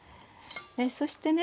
そしてね